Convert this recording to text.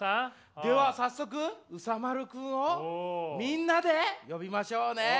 では早速うさ丸くんをみんなで呼びましょうね！